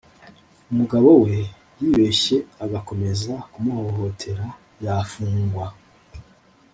umugabo we yibeshye agakomeza kumuhohotera yafungwa